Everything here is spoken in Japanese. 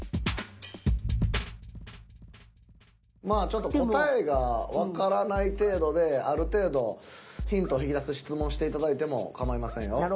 まあちょっと答えがわからない程度である程度ヒント引き出す質問して頂いても構いませんよ。